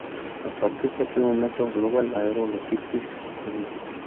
A partir de aquel momento, Global Aero Logistics Inc.